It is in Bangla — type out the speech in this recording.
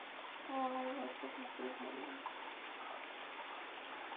আর আমার বাচ্চা থাকতেই ভালো লাগে।